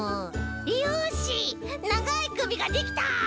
よしながいくびができた！